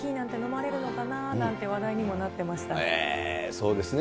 そうですね。